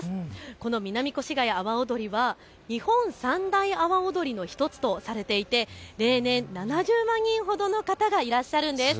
この南越谷阿波踊りは日本三大阿波踊りの１つとされていて例年７０万人ほどの方がいらっしゃるんです。